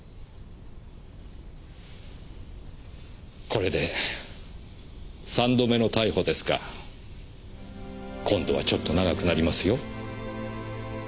これで３度目の逮捕ですが今度はちょっと長くなりますよ。